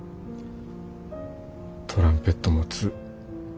トランペットを持つ。